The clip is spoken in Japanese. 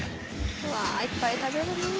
うわあいっぱい食べるね。